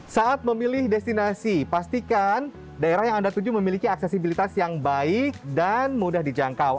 saat memilih destinasi pastikan daerah yang anda tuju memiliki aksesibilitas yang baik dan mudah dijangkau